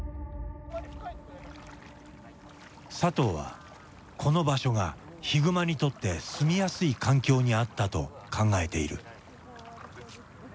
佐藤はこの場所がヒグマにとって住みやすい環境にあったと考えている。